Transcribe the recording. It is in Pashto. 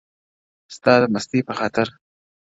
• ستا د مستۍ په خاطر،